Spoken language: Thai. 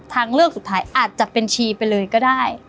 ทางเลือกสุดท้ายอาจจะเป็นชีไปเลยก็ได้